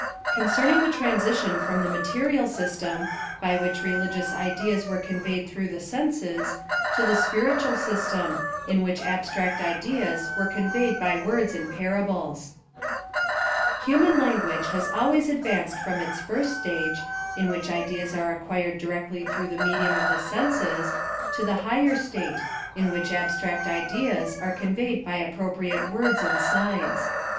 CONOERNING THE TRANSITION FROM THE MA TERIAL SYSTEM, BY WHICH RELIGIOUS IDEAS WERE CONVEYED THROUGH THE SENSES, TO THE SPIRITUAL SYSTEM, IN AVHICH ABSTRACT IDEAS WERE CONVEYED BY WORDS AND PAR ABLES Human lan^iage has always advanced from its first Stage, in which ideas are acquired directly through the medium of the senses, to the higher state, in which abstract ideas are conveyed by ap propriate words and signs.